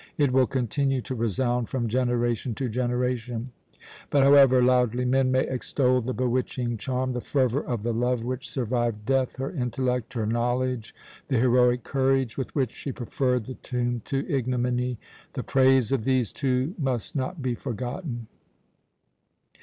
It will continue to resound from generation to generation; but however loudly men may extol the bewitching charm, the fervour of the love which survived death, her intellect, her knowledge, the heroic courage with which she preferred the tomb to ignominy the praise of these two must not be forgotten.